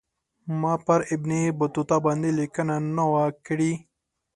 ما به پر ابن بطوطه باندې لیکنه نه وای کړې.